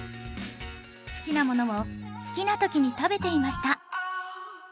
好きなものを好きな時に食べていました